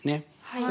はい。